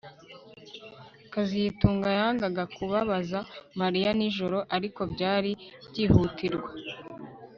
kazitunga yangaga kubabaza Mariya nijoro ariko byari byihutirwa